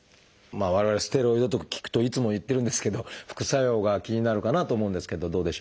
我々ステロイドとか聞くといつも言ってるんですけど副作用が気になるかなと思うんですけどどうでしょう？